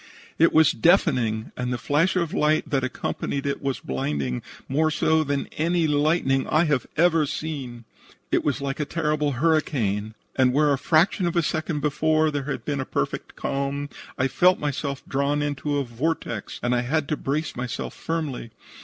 It was deafening, and the flash of light that accompanied it was blinding, more so than any lightning I have ever seen. "It was like a terrible hurricane, and where a fraction of a second before there had been a perfect calm, I felt myself drawn into a vortex and I had to brace myself firmly.